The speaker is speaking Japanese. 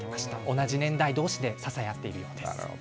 同じ年代どうしで支え合っているんです。